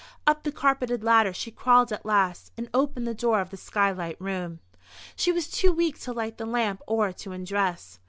Up the carpeted ladder she crawled at last and opened the door of the skylight room. She was too weak to light the lamp or to undress.